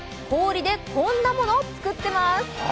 氷でこんなもの作ってます」。